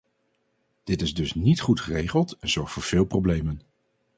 Dit is dus niet goed geregeld en zorgt voor veel problemen.